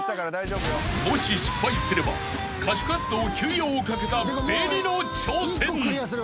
［もし失敗すれば歌手活動休養を懸けたＢＥＮＩの挑戦］